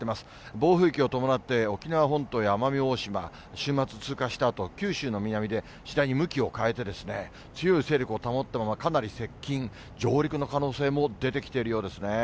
暴風域を伴って、沖縄本島や奄美大島、週末通過したあと、九州の南でしだいに向きを変えて、強い勢力を保ったまま、かなり接近、上陸の可能性も出てきているようですね。